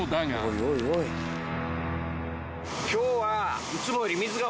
今日は。